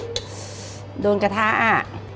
อุ้ยโดนกระทะอะ